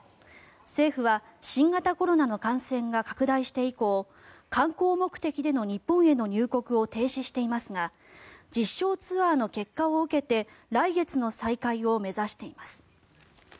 政府は新型コロナの感染が拡大して以降観光目的での日本への入国を停止していますが実証ツアーの結果を受けて来月の再開を目指しています。